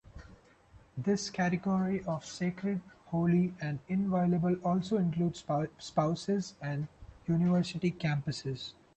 This category of sacred, holy, and inviolable also includes spouses and university campuses.